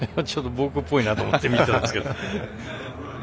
ボークっぽいなと思って見てたんですけど。